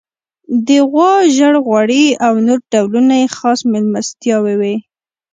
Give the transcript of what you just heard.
د غوا ژړ غوړي او نور ډولونه یې خاص میلمستیاوې وې.